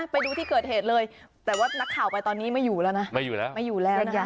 ไปดูที่เกิดเหตุเลยแต่ว่านักข่าวไปตอนนี้ไม่อยู่แล้วนะ